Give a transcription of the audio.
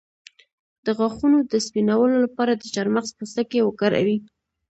د غاښونو د سپینولو لپاره د چارمغز پوستکی وکاروئ